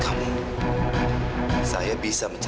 kamu harus berhenti